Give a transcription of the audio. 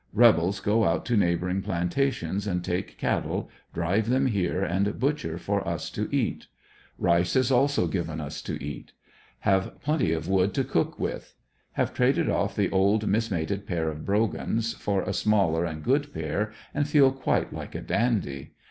Rebels go out to neigh boring plantations and take cattle, drive them here, and butcher 132 ANDERSONVILLE DIARY, for us to eat. Rice is also given us to eat. Have plenty of wood to cook with. Have traded off the old missmated pair of brogans for a smaller and good pair, and feel quite like a dandy.